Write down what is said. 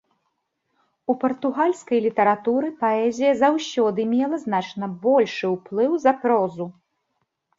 У партугальскай літаратуры паэзія заўсёды мела значна большы ўплыў за прозу.